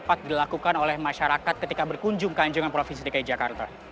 dapat dilakukan oleh masyarakat ketika berkunjung ke anjungan provinsi dki jakarta